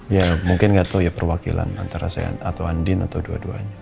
ya mungkin gak tau ya perwakilan antara saya atau andien atau dua duanya